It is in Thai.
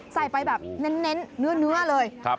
ใส่ไปแบบเน้นเนื้อเลย